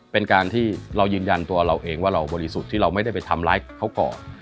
เป็นการที่เรายืนยันตัวเราเองว่าเราบริสุทธิ์ที่เราไม่ได้ไปทำร้ายเขาก่อน